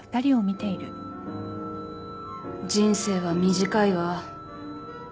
人生は短いわ。